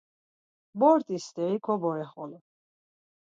Bort̆i steri kobore xolo.